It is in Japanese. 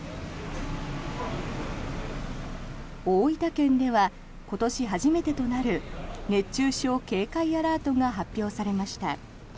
大分県では今年初めてとなる熱中症警戒アラートが発表されました。